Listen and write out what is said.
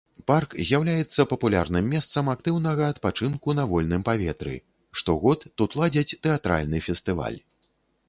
Парк з'яўляецца папулярным месцам актыўнага адпачынку на вольным паветры, штогод тут ладзяць тэатральны фестываль.